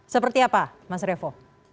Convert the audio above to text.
seperti apa mas revo